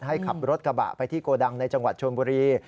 ขับรถกระบะไปที่โกดังในจังหวัดชนบุรี